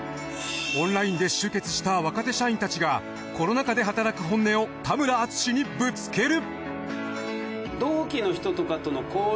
オンラインで集結した若手社員たちがコロナ禍で働く本音を田村淳にぶつける。